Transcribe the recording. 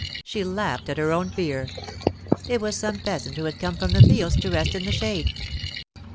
She laughed at her own fear; it was some peasant who had come from the fields to rest in the shade.